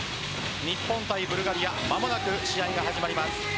日本対ブルガリア間もなく試合が始まります。